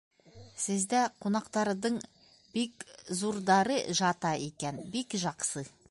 Сездә ҡунаҡтардың бик зурдары жата икән, бик жаҡсы.